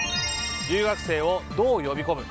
留学生をどう呼び込む？